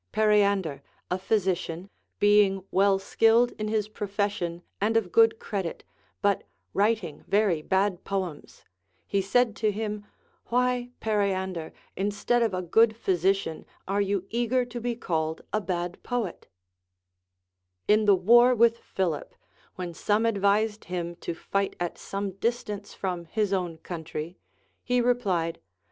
Periander, a physician, being well skilled in his profession and of good credit, but writing very bad poems, he said to him, AVhy, Periander, instead of a good physician are you eager to be called a bad poet I In the Λvar with Philip, when some advised him to fight at some distance from his own country, he replied.